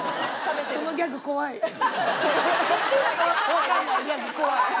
分かんないギャグ怖い。